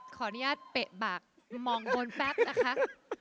ขออนุญาตเปะบากมองโดนแป๊บนะคะ